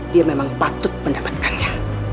dia memang patut mendapatkannya